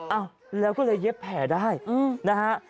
เอ้าแล้วก็เลยเย็บแผลได้นะฮะ